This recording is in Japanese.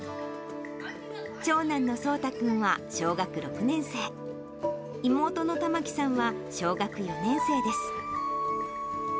長男の奏太君は小学６年生、妹の珠希さんは小学４年生です。